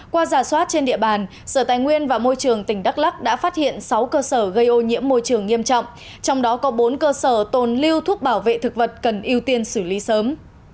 qua giả soát trên địa bàn sở tài nguyên và môi trường tỉnh đắk lắc đã phát hiện sáu cơ sở gây ô nhiễm môi trường nghiêm trọng trong đó có bốn cơ sở tồn lưu thuốc bảo vệ thực vật cần ưu tiên xử lý sớm